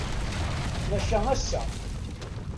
Maca ass-a.